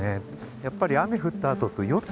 やっぱり雨降ったあとと夜露。